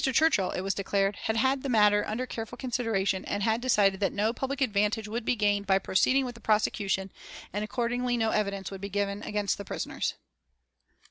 Churchill it was declared, had had the matter under careful consideration, and had decided that "no public advantage would be gained by proceeding with the prosecution, and accordingly no evidence would be given against the prisoners."